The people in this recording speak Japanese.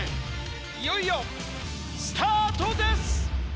いよいよスタートです！